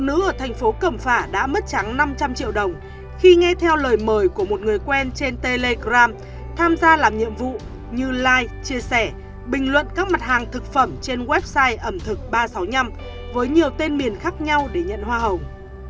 phụ nữ ở thành phố cẩm phả đã mất trắng năm trăm linh triệu đồng khi nghe theo lời mời của một người quen trên telegram tham gia làm nhiệm vụ như like chia sẻ bình luận các mặt hàng thực phẩm trên website ẩm thực ba trăm sáu mươi năm với nhiều tên miền khác nhau để nhận hoa hồng